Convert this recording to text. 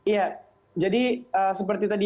iya jadi seperti tadi